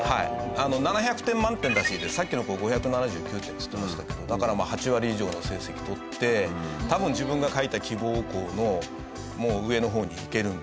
７００点満点らしいのでさっきの子５７９点って言ってましたけどだから８割以上の成績取って多分自分が書いた希望校のもう上の方に行けるんでしょうね。